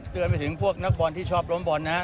ขอเตือนไปถึงพวกนักบอลที่ชอบล้มบอลนะฮะ